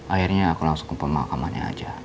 akhirnya aku langsung ke pemakamannya aja